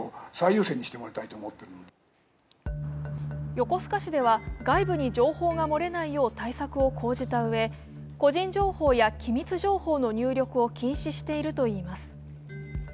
横須賀市では、外部に情報が漏れないよう対策を講じたうえ個人情報や機密情報の入力を禁止しているといいます。